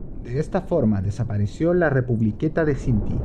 De esta forma desapareció la Republiqueta de Cinti.